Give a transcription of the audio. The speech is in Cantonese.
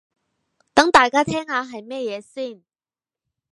等大家聽下係乜嘢先